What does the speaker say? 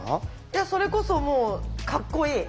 いやそれこそもうかっこいい。